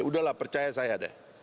udahlah percaya saya deh